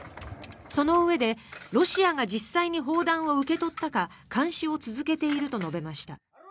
そのうえでロシアが実際に砲弾を受け取ったか監視を続けていると述べました。